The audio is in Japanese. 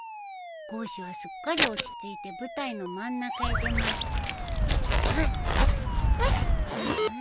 「ゴーシュはすっかり落ち着いて舞台の真ん中へ出ました」